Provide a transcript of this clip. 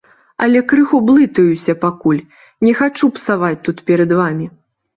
Але крыху блытаюся пакуль, не хачу псаваць тут перад вамі.